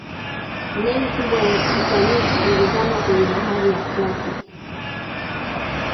Meli kubwa ya Titanic ilizama kwenye bahari ya Atlantic